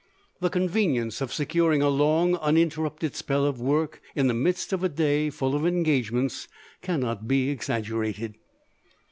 The convenience of securing a long, uninterrupted spell of work in the midst of a day full of engagements cannot be exaggerated.